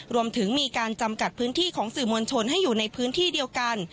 รวมถึงมีการจำกัดพื้นที่ของสื่อมวลชนให้อยู่ในพื้นที่เดียวกัน